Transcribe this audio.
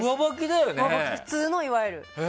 普通の、いわゆる。